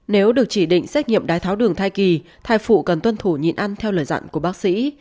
nếu được chỉ định xét nghiệm đái tháo đường thai kỳ thai phụ cần tuân thủ nhịn ăn theo lời dặn của bác sĩ